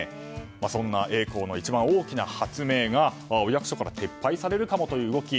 そんな栄光の一番大きな発明がお役所から撤廃されるかもという動き。